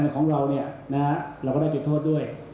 ของเราเราก็ได้จุดโทษด้วย